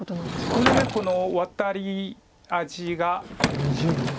これでワタリ味が。